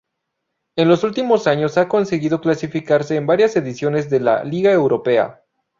En los últimos años ha conseguido clasificarse en varias ediciones de la Liga Europea.